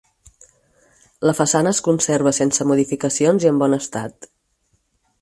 La façana es conserva sense modificacions i en bon estat.